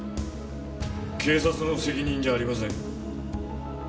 警察の責任じゃありません。